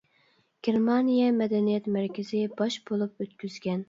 گېرمانىيە مەدەنىيەت مەركىزى باش بولۇپ ئۆتكۈزگەن.